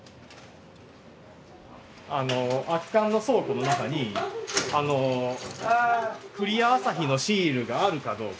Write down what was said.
空き缶の倉庫の中にクリアアサヒのシールがあるかどうか。